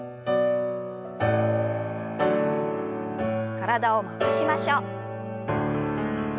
体を回しましょう。